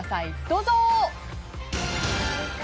どうぞ。